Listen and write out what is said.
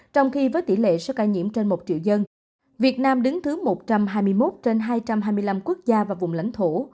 trong khi với tỷ lệ số ca nhiễm trên một triệu dân việt nam đứng thứ một trăm hai mươi một trên hai trăm hai mươi năm quốc gia và vùng lãnh thổ